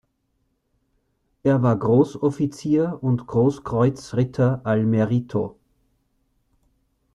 Er war Großoffizier und "Großkreuzritter al merito".